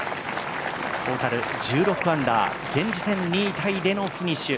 トータル１６アンダー、現時点２位でのフィニッシュ。